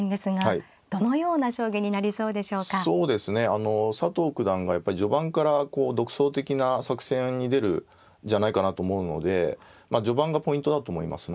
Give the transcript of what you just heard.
あの佐藤九段がやっぱり序盤からこう独創的な作戦に出るんじゃないかなと思うので序盤がポイントだと思います